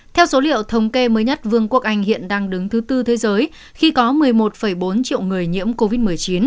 theo số liệu thống kê mới nhất vương quốc anh hiện đang đứng thứ tư thế giới khi có một mươi một bốn triệu người nhiễm covid một mươi chín